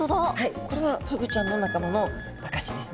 これはフグちゃんの仲間の証しですね。